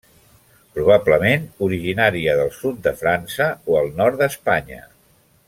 Probablement originària del sud de França o el nord d'Espanya.